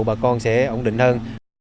bà con sẽ ổn định hơn